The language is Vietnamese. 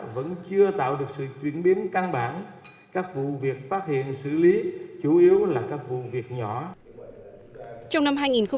vẫn chưa tạo được sự chuyển biến căn bản các vụ việc phát hiện xử lý chủ yếu là các vụ việc nhỏ